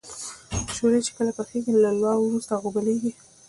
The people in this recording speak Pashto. شولې چې کله پخې شي له لو وروسته غوبلیږي.